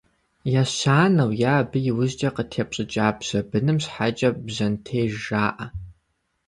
Ещанэу е абы и ужькӏэ къытепщӏыкӏа бжьэ быным щхьэкӏэ «бжьэнтеж» жаӏэ.